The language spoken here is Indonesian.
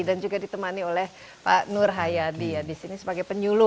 dan juga ditemani oleh pak nur hayadi ya di sini sebagai penyuluh